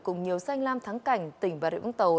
cùng nhiều xanh lam thắng cảnh tỉnh bà rịu úng tàu